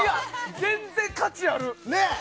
全然価値ある！